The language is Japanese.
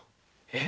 え